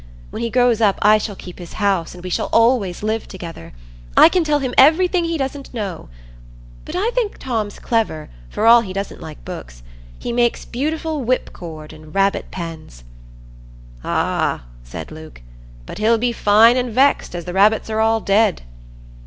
When he grows up I shall keep his house, and we shall always live together. I can tell him everything he doesn't know. But I think Tom's clever, for all he doesn't like books; he makes beautiful whipcord and rabbit pens." "Ah," said Luke, "but he'll be fine an' vexed, as the rabbits are all dead."